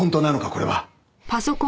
これは。